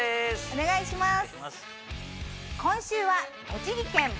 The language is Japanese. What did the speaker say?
お願いします。